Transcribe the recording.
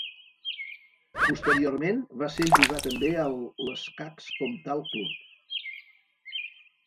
Posteriorment, va ser jugar també a l'Escacs Comtal Club.